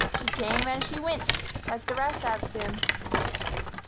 She came and she wint, like the rest av thim."